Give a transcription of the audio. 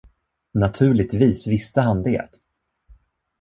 Naturligtvis visste han det.